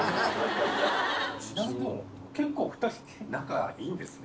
ちなみに、結構、２人、仲いいんですね。